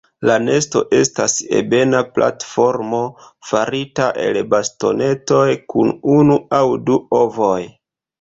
La nesto estas ebena platformo farita el bastonetoj, kun unu aŭ du ovoj.